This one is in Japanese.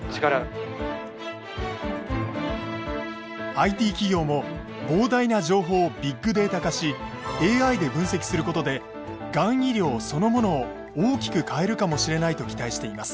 ＩＴ企業も膨大な情報をビッグデータ化しＡＩで分析することでがん医療そのものを大きく変えるかもしれないと期待しています。